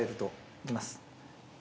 いきます。